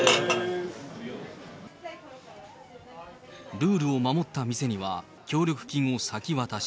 ルールを守った店には協力金を先渡し。